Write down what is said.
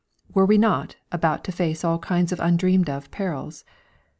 Were we not about to face all kinds of undreamed of perils?